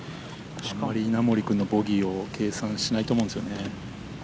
稲森君のボギーを計算していないと思うんですよね。